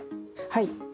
はい。